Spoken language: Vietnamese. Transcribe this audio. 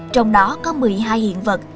trong đó có một mươi hai hiện vật